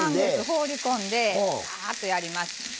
放り込んでばーっとやります。